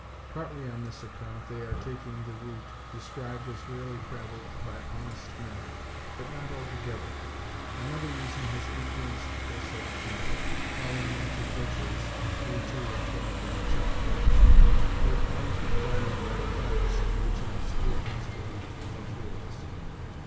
Partly on this account are they taking the route, described as rarely travelled by honest men. But not altogether. Another reason has influenced their selection of it while in Natchitoches they too have put up at the Choctaw Chief; their plans requiring that privacy which an obscure hostelry affords.